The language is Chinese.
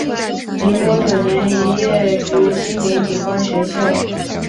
民国九年肄业于金陵警官学校。